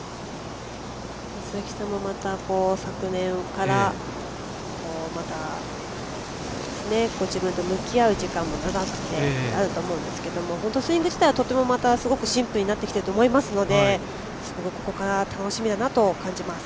鈴木さんもまた昨年からご自分と向き合う時間も長くてスイング自体はとてもすごくシンプルになってきていると思いますのでここから楽しみだなと感じます。